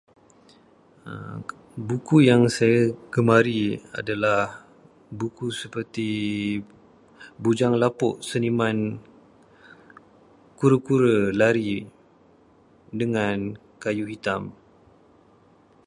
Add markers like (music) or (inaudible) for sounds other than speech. (noise) Buku yang saya gemari adalah buku seperti Bujang Lapuk Seniman, Kura-kura Lari dengan Kayu Hitam.